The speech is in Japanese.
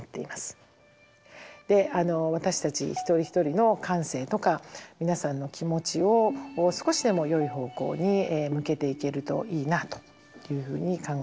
私たち一人一人の感性とか皆さんの気持ちを少しでもよい方向に向けていけるといいなというふうに考えています。